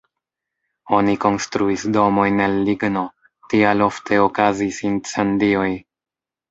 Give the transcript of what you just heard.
Oni konstruis domojn el ligno, tial ofte okazis incendioj.